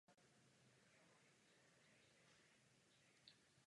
Na závěr ještě poznámka k akvakultuře.